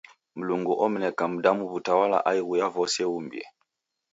Mlungu omneka mdamu w'utawala aighu ya vose uumbie.